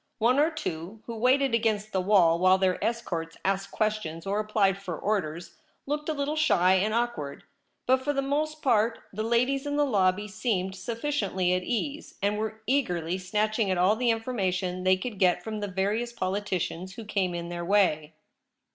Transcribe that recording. One or two, who waited against the wall while their escorts asked questions or applied for orders, looked a little shy and awkward ; but for the most part the ladies in the lobby seemed sufficiently at ease, and were eagerly snatching at all the information they could get from the various politicians who came in their way.